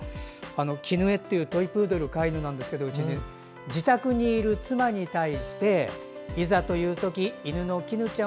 キヌエというトイプードル飼い犬なんですけど自宅にいる妻に対していざという時、犬のキヌちゃん